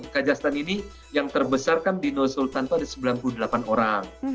kajastan ini yang terbesar kan di no sultan itu ada sembilan puluh delapan orang